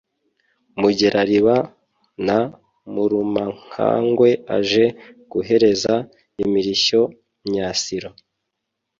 Mugerariba na Murumankagwe aje guhereza imirishyo Myasiro.